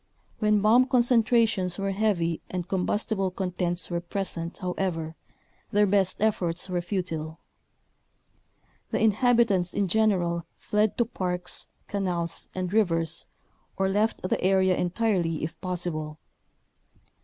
When bomb concentrations were heavy and combustible contents were pres ent, however, their best efforts were futile. The inhabitants, in general, fled to parks, canals, and rivers, or left the area entirely if possible.